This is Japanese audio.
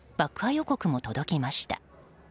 予告も届きました。